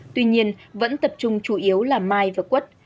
tuy nhiên vẫn tập trung chủ yếu là mai và quất